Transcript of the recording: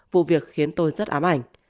vụ việc khiến tôi rất ám ảnh